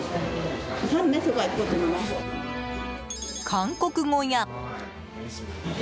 韓国語や。